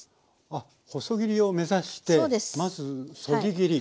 あっ細切りを目指してまずそぎ切り。